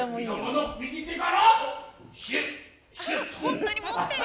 本当に持ってる。